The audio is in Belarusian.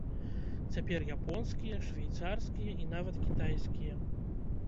Цяпер японскія, швейцарскія і нават кітайскія.